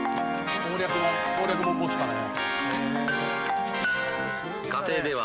攻略本攻略本持ってたね。